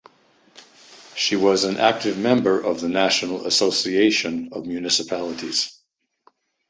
She was an active member of the National Association of Municipalities.